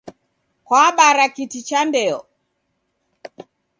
Kwabara kiti cha ndeo